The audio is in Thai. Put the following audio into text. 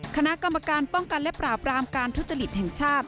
คณะกรรมการป้องกันและปราบรามการทุจริตแห่งชาติ